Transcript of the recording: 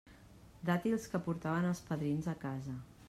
Dàtils que portaven els padrins a casa.